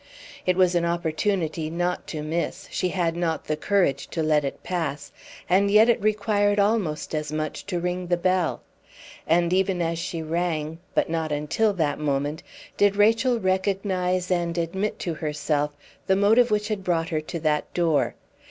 It was an opportunity not to miss she had not the courage to let it pass and yet it required almost as much to ring the bell. And even as she rang but not until that moment did Rachel recognize and admit to herself the motive which had brought her to that door.